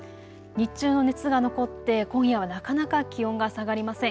日中の熱が残って今夜はなかなか気温が下がりません。